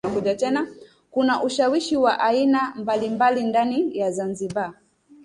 Kuna ushawishi wa aina mbalimbali ndani ya Zanzibar